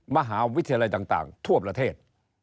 มหาวิทยาลัยต่างทั่วประเทศ